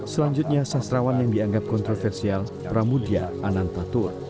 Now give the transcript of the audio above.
selanjutnya sastrawan yang dianggap kontroversial pramudya anand tathur